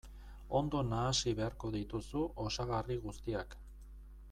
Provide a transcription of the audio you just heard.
Ondo nahasi beharko dituzu osagarri guztiak.